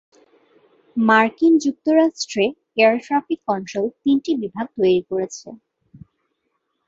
মার্কিন যুক্তরাষ্ট্রে air traffic control তিনটি বিভাগ তৈরি করেছে।